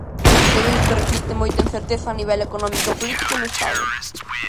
Todo isto reflicte moita incerteza a nivel económico e político no Estado.